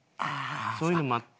そういうのもあって。